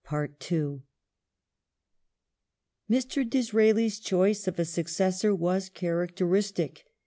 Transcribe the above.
Lord Mr. Disraeli's choice of a successor was characteristic.